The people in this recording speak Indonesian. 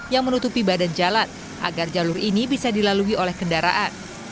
yang menutupi badan jalan agar jalur ini bisa dilalui oleh kendaraan